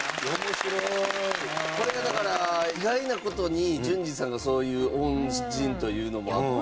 これがだから意外な事に純次さんがそういう恩人というのもあって。